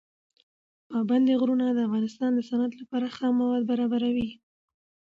پابندي غرونه د افغانستان د صنعت لپاره خام مواد برابروي.